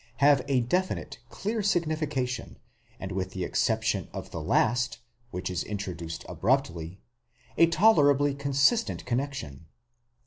have a definite, clear signification, and with the exception of the last, which is introduced abruptly, a tolerably consistent connexion.